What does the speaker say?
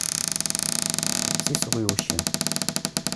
six rue Aux Chiens